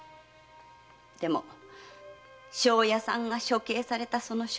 でも庄屋さんが処刑されたその衝撃で。